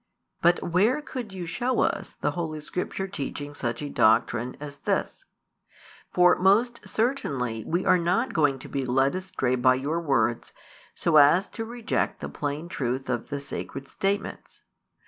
But where could you show us the Holy Scripture teaching such a doctrine as this? For most certainly we are not |271 going to be led astray by your words so as to reject the plain truth of the Sacred statements.